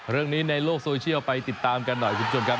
เรื่องนี้ในโลกโซเชียลไปติดตามกันหน่อยคุณชวนครับ